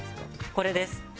これです。